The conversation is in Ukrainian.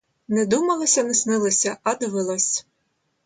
Не думалося, не снилося, а довелось!